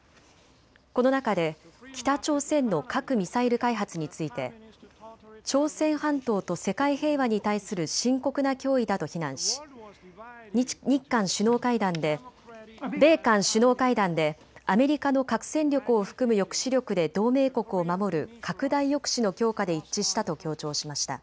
この中で北朝鮮の核・ミサイル開発について朝鮮半島と世界平和に対する深刻な脅威だと非難し米韓首脳会談でアメリカの核戦力を含む抑止力で同盟国を守る拡大抑止の強化で一致したと強調しました。